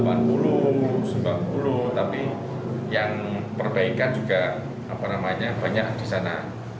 untuk keisotel juga jumlahnya ya bari mungkin sekitar delapan puluh sembilan puluh tapi yang perbaikan juga banyak di sana